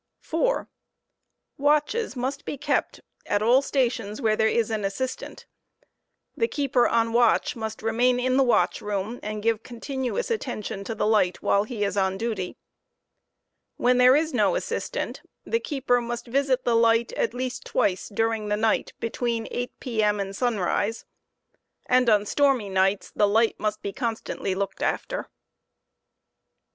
4, Watches must be kept at all stations where there is an assistant. The keeper kfl ^whS there on watch must remain in the watchroom and give continuous attention to the light J« ™ ^sunt. while he is on dutv. When there is no assistant, the keeper must visit the light at Dttf y *>r * 1 ° er whtn there is least twice during the night between 8 p. in, and sunrise; and on stormy nights the ™ asais taut light must he constantly looked after.